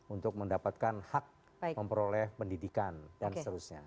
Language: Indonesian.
untuk mendapatkan hak memperoleh pendidikan dan seterusnya